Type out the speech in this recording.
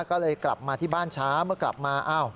ก็เลยกลับมาที่บ้านช้าเมื่อกลับมา